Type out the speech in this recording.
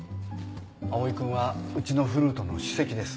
蒼君はうちのフルートの首席です。